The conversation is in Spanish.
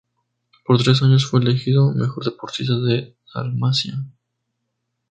Por tres años fue elegido Mejor deportista de Dalmacia.